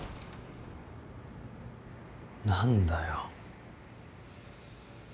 何だよ。